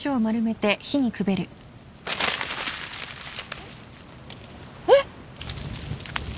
えっえっ！？